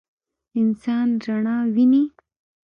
انسان رڼا ویني.